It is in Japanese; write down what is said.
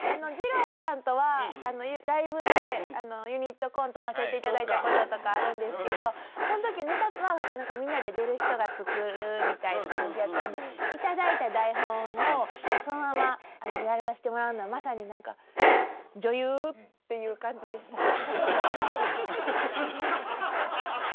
じろうさんとはライブでユニットコントさせていただいたこととかあるんですけどそのときネタはみんなで出る人が作るみたいな感じやったんで頂いた台本をそのままやらしてもらうのはまさに何か女優っていう感じでした。